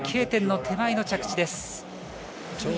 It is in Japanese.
Ｋ点の手前の着地です。